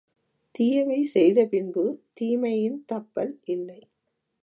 தீயவை செய்த பின்பு தீமையின் தப்பல் இல்லை.